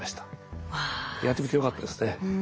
やってみてよかったですね。